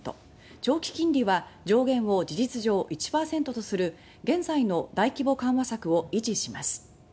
長期金利は上限を事実上１％とする現在の大規模緩和策を維持します。